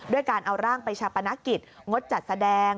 ด้วยการเอาร่างประชาปนักกิจงดจัดแสดง